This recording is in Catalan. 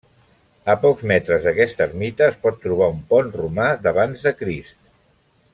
A pocs metres d'aquesta ermita es pot trobar un pont romà d'abans de Crist.